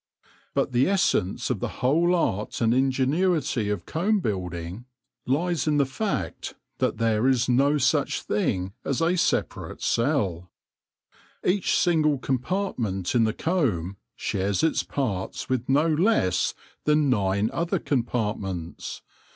But the essence of the whole art and ingen uity of comb building lies in the fact that there is no THE COMB BUILDERS 149 such thing as a separate cell. Each single compart ment in the comb shares its parts with no less than nine other compartments.